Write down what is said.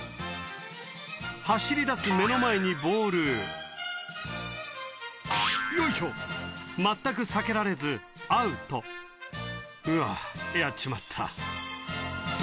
走りだす目の前にボール「よいしょ！」全く避けられずアウト「うわやっちまった」